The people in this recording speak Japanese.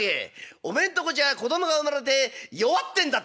おめえんとこじゃ子供が生まれて弱ってんだってなあ」。